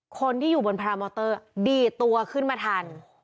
คนที่อยู่บนพรามอเตอร์ดีดตัวขึ้นมาทัน